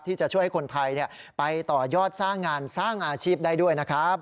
ที่จะช่วยให้คนไทยไปต่อยอดสร้างงานสร้างอาชีพได้ด้วยนะครับ